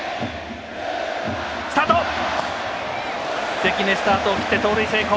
関根、スタートを切って盗塁成功。